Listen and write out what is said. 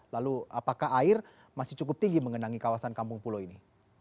lalu apakah air masih cukup tinggi mengenangi kawasan kampung pulau ini